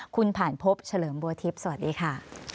คุณผ่านพบเฉลิมบัวทิพย์สวัสดีค่ะ